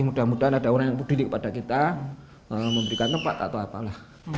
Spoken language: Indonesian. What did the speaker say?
mudah mudahan ada orang yang peduli kepada kita memberikan tempat atau apalah